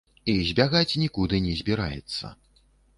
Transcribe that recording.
І збягаць нікуды не збіраецца.